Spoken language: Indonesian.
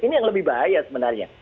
ini yang lebih bahaya sebenarnya